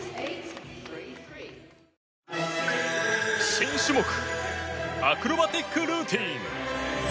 新種目アクロバティックルーティン。